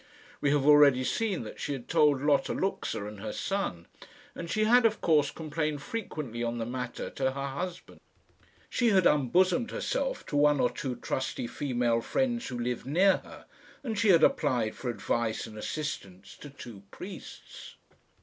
We have already seen that she had told Lotta Luxa and her son, and she had, of course, complained frequently on the matter to her husband. She had unbosomed herself to one or two trusty female friends who lived near her, and she had applied for advice and assistance to two priests.